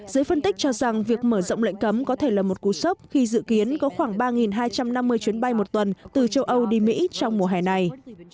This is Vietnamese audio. giới phân tích cho rằng việc mở rộng lệnh cấm có thể là một cú sốc khi dự kiến có khoảng ba hai trăm năm mươi chuyến bay một tuần từ châu âu đi mỹ trong mùa hè này